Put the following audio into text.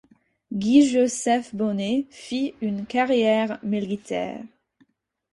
Guy-Joseph Bonnet fit une carrière militaire.